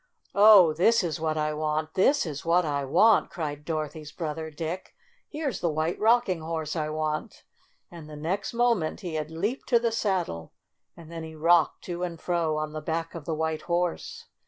"Oh, this is what I want ! This is what I want!" cried Dorothy's brother, Dick. "Here's the White Rocking Horse I want!" And the next moment he had leaped to the saddle, and then he rocked to and fro on the back of the white horse.